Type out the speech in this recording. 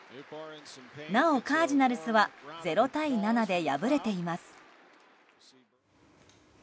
なお、カージナルスは０対７で敗れています。